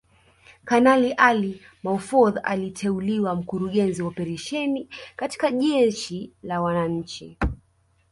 Kanali Ali Mahfoudh aliteuliwa Mkurugenzi wa Operesheni katika Jeshi la Wananchi